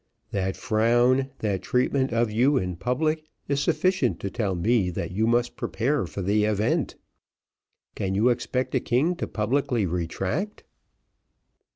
That frown, that treatment of you in public, is sufficient to tell me that you must prepare for the event. Can you expect a king to publicly retract?"